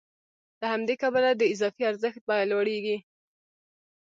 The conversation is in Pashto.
له همدې کبله د اضافي ارزښت بیه لوړېږي